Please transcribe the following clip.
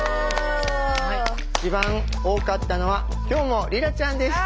一番多かったのはきょうもリラちゃんでした。